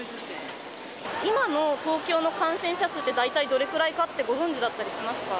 今の東京の感染者数って、大体どれくらいかってご存じだったりしますか。